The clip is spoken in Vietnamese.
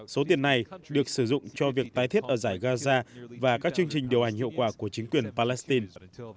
số tiền này được sử dụng cho việc tái thiết ở giải gaza và các chương trình điều hành hiệu quả của chính quyền palestine